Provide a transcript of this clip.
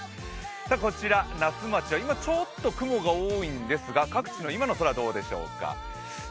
こちら、那須町は今ちょっと雲が多いんですが、各地の空はどうでしょうか。